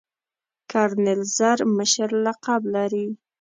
کرنیل زر مشر لقب لري.